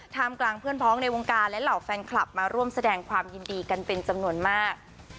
มกลางเพื่อนพ้องในวงการและเหล่าแฟนคลับมาร่วมแสดงความยินดีกันเป็นจำนวนมาก